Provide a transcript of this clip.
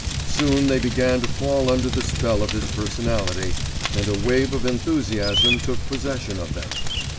Soon they began to fall under the spell of his personality, and a wave of enthusiasm took possession of them.